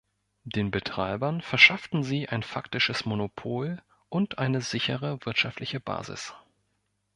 Den Betreibern verschafften sie ein faktisches Monopol und eine sichere wirtschaftliche Basis.